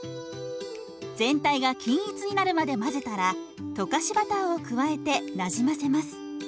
全体が均一になるまで混ぜたら溶かしバターを加えてなじませます。